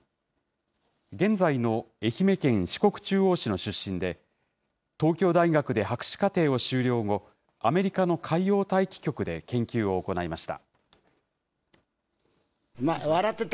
現在の愛媛県四国中央市の出身で、東京大学で博士課程を修了後、アメリカの海洋大気局で研究を行いました。